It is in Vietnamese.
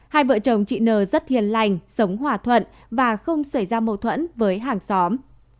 hai vợ chồng chị nờ rất hiền lành sống hòa thuận và không xảy ra mâu thuẫn với hàng xóm